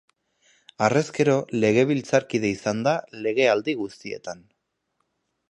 Harrezkero, legebiltzarkide izan da legealdi guztietan.